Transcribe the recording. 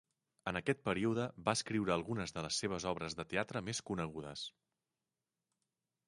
En aquest període va escriure algunes de les seves obres de teatre més conegudes.